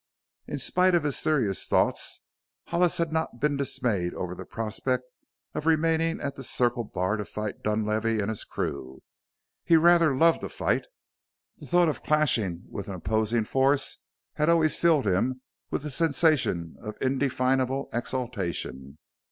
In spite of his serious thoughts Hollis had not been dismayed over the prospect of remaining at the Circle Bar to fight Dunlavey and his crew. He rather loved a fight; the thought of clashing with an opposing force had always filled him with a sensation of indefinable exultation.